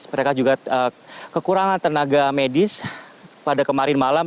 mereka juga kekurangan tenaga medis pada kemarin malam